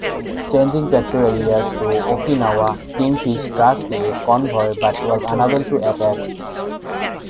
Changing patrol areas to Okinawa, "Kingfish" tracked a convoy but was unable to attack.